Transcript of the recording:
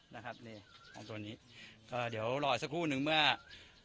นะครับนี่สองตัวนี้อ่าเดี๋ยวรออีกสักครู่หนึ่งเมื่ออ่า